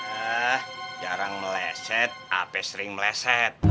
hah jarang meleset apa sering meleset